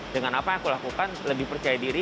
dengan apa yang aku lakukan lebih percaya diri